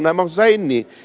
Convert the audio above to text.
nah maksud saya ini